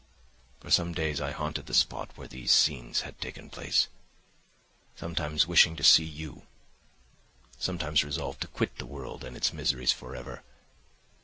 "For some days I haunted the spot where these scenes had taken place, sometimes wishing to see you, sometimes resolved to quit the world and its miseries for ever.